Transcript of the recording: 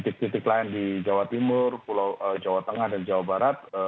titik titik lain di jawa timur jawa tengah dan jawa barat